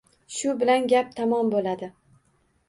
Shu bilan gap tamom bo‘ladi.